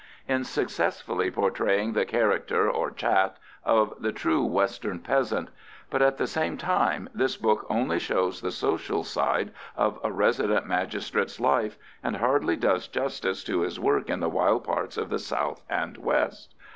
in successfully portraying the character or "chat" of the true western peasant; but, at the same time, this book only shows the social side of a Resident Magistrate's life, and hardly does justice to his work in the wild parts of the south and west.